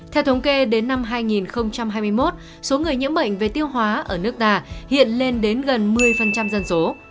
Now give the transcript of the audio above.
theo thống kê đến năm hai nghìn hai mươi một số người nhiễm bệnh về tiêu hóa ở nước ta hiện lên đến gần một mươi dân số